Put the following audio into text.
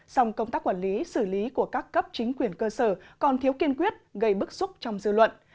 song công tác quản lý xử lý của các cấp chính quyền cơ sở còn thiếu kiên quyết gây bức xúc trong dư luận